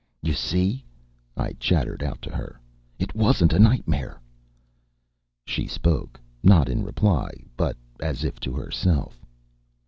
"You see," I chattered out to her, "it wasn't a nightmare." She spoke, not in reply, but as if to herself.